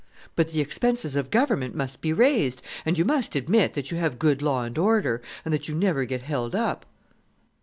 "But the expenses of Government must be raised, and you must admit that you have good law and order, and that you never get held up."